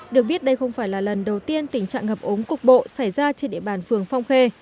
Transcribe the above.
được biết đây không phải là lần đầu tiên tình trạng ngập ống cục bộ xảy ra trên địa bàn phường phong khê